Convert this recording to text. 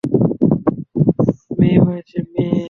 মেয়ে হয়েছে, মেয়ে।